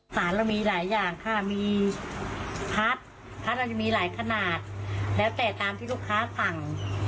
สารเรามีหลายอย่างค่ะมีพัดพัดเราจะมีหลายขนาดแล้วแต่ตามที่ลูกค้าสั่ง